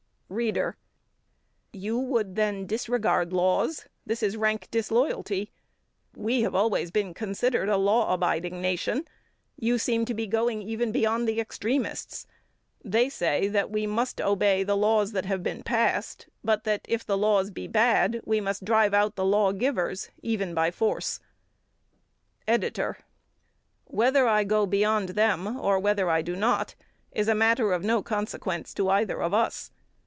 READER: You would then disregard laws this is rank disloyalty. We have always been considered a law abiding nation. You seem to be going even beyond the extremists. They say that we must obey the laws that have been passed, but that, if the laws be bad, we must drive out the law givers even by force. EDITOR: Whether I go beyond them or whether I do not, is a matter of no consequence to either of us.